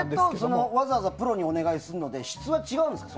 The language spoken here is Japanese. わざわざプロにお願いするので質は違うんですか？